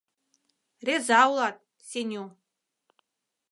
Реза улат, Сеню.